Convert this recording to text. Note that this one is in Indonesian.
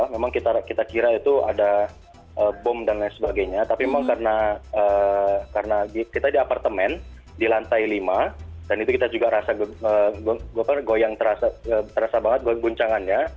memang kita kira itu ada bom dan lain sebagainya tapi memang karena kita di apartemen di lantai lima dan itu kita juga rasa goyang terasa banget goyang goncangannya